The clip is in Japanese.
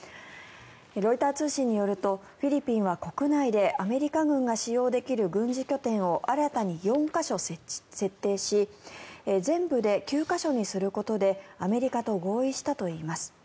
ロイター通信によるとフィリピンは国内でアメリカ軍が使用できる軍事拠点を新たに４か所設定し全部で９か所にすることでアメリカと合意したといいます。